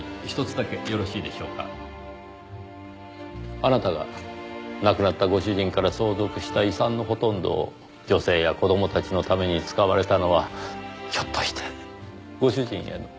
あなたが亡くなったご主人から相続した遺産のほとんどを女性や子供たちのために使われたのはひょっとしてご主人への。